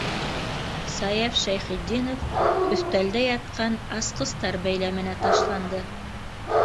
- Саяф Шәйхетдинов өҫтәлдә ятҡан асҡыстар бәйләменә ташланды.